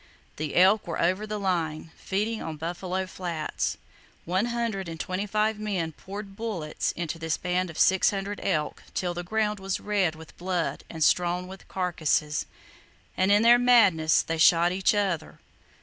The elk were over the line, feeding on Buffalo Flats. One hundred and twenty five men poured bullets into this band of 600 elk till the ground was red with blood and strewn with carcasses, and in their madness they shot each other.